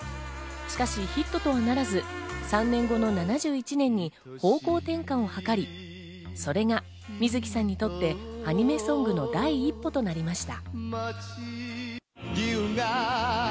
しかし、ヒットとはならず、３年後の７１年に方向転換をはかり、それが水木さんにとってアニメソングの第一歩となりました。